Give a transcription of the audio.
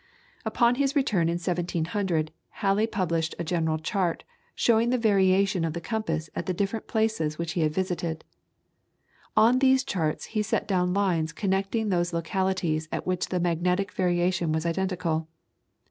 On his return in 1700, Halley published a general chart, showing the variation of the compass at the different places which he had visited. On these charts he set down lines connecting those localities at which the magnetic variation was identical.